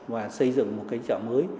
và xây dựng một cái chợ mới